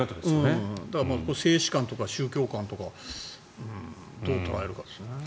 生死観とか宗教観とかどう捉えるかですね。